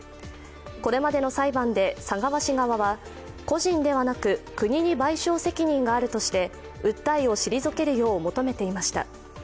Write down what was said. これまでの裁判で佐川氏側は個人ではなく国に賠償責任があるとして訴えを退けるよう求めていました。